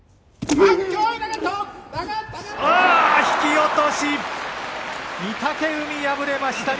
引き落とし。